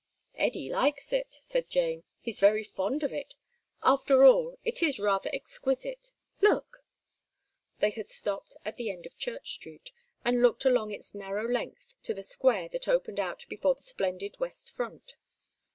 "Eddy likes it," said Jane. "He's very fond of it. After all, it is rather exquisite; look " They had stopped at the end of Church Street, and looked along its narrow length to the square that opened out before the splendid West Front.